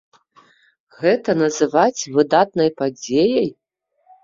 Гэта называць выдатнай падзеяй?